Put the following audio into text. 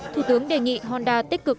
thủ tướng đề nghị honda tích cực